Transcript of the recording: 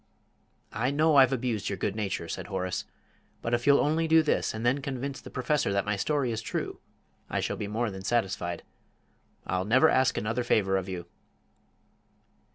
"I know I've abused your good nature," said Horace; "but if you'll only do this, and then convince the Professor that my story is true, I shall be more than satisfied. I'll never ask another favour of you!"